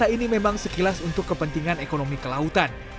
kota ini memang sekilas untuk kepentingan ekonomi kelautan